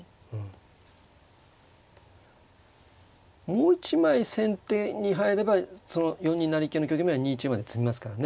もう一枚先手に入れば４二成桂の局面は２一馬で詰みますからね。